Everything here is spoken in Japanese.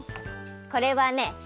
これはね